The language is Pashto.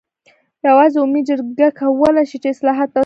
یوازې عمومي جرګه کولای شي چې اصلاحات تصویب کړي.